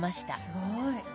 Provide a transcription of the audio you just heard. すごい。